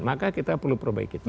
maka kita perlu perbaiki